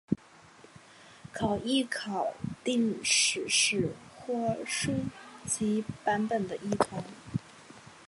考异考订史实或书籍版本的异同。